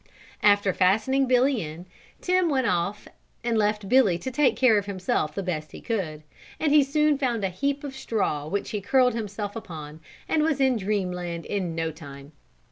After fastening Billy in, Tim went off and left Billy to take care of himself the best he could, and he soon found a heap of straw which he curled himself upon and was in dreamland in no time.